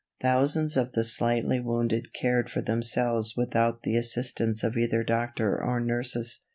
Thousands of the slightly wounded cared for themselves without the assistance of either doctor or nurses.